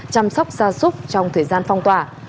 chăm sóc xa xúc trong thời gian phong tỏa